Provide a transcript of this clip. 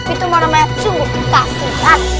itu namanya sungguh kasihan